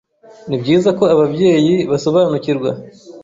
Ni byiza ko ababyeyi basobanukirwa